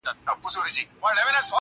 o ماجبیني د مهدي حسن آهنګ یم.